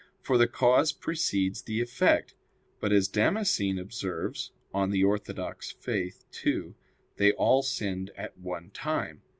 For the cause precedes the effect. But, as Damascene observes (De Fide Orth. ii), they all sinned at one time.